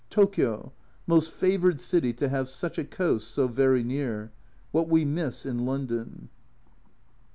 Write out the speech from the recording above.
Tokio ! most favoured city, to have such a coast so very near. What we miss in London